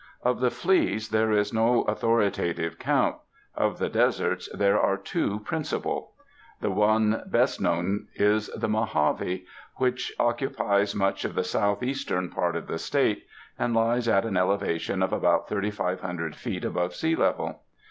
Of the fleas there is no authorita tive count; of the deserts there are two principal. The one best known is the Mojave, which occupies much of the southeastern part of the State, and lies at an elevation of about 3,500 feet above sea level.